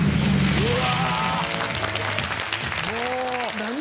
うわ！